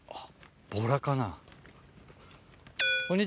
ボラかな？